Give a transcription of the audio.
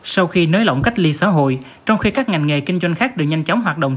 sau khi nới lỏng cách ly xã hội trong khi các ngành nghề kinh doanh khác được nhanh chóng hoạt động